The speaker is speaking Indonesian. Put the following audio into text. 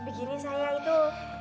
begini saya itu